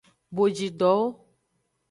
Bojidowo.